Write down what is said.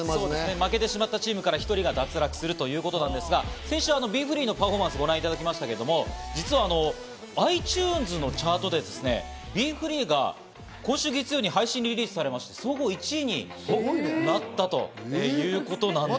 負けてしまったチームから１人脱落ということですが、先週、ＢｅＦｒｅｅのパフォーマンスをご覧いただきましたが、実はｉＴｕｎｅｓのチャートでＢｅＦｒｅｅが今週月曜に配信リリースされまして、総合１位になったということなんです。